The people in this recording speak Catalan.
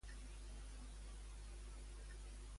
Estepar es connectarà amb Almassora.